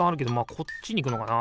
こっちにいくのかな？